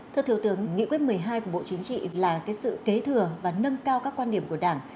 thưa thiếu tướng nghị quyết một mươi hai của bộ chính trị là sự kế thừa và nâng cao các quan điểm của đảng